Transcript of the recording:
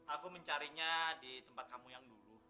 aku mencarinya di tempat kamu yang dulu